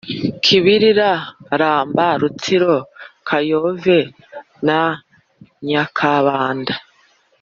kibirira, ramba, rutsiro, kayove na nyakabanda.